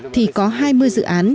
thì có hai mươi dự án